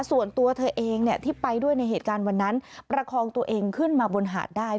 ส่วนตัวเธอเองที่ไปด้วยในเหตุการณ์วันนั้นประคองตัวเองขึ้นมาบนหาดได้